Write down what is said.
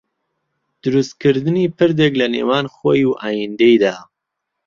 دروستکردنی پردێک لەنێوان خۆی و ئایندەیدا